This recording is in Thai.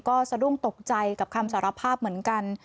ก็สะดุ้งตกใจกับคำสารภาพเหมือนกัน